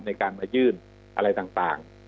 ในการมายื่นอะไรต่าง